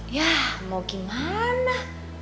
yah mau gimana